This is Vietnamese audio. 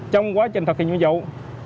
trong quá trình thực hiện nhiệm vụ